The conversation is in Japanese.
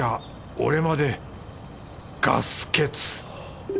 俺までガス欠